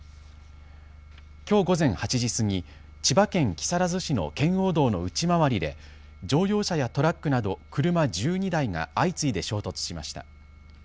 きょう午前８時過ぎ、千葉県木更津市の圏央道の内回りで乗用車やトラックなど車１２台が相次いで衝突しました。